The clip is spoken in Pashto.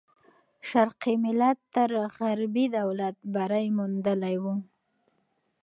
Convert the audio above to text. شرقي ملت تر غربي دولت بری موندلی وو.